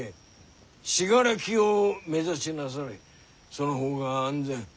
その方が安全。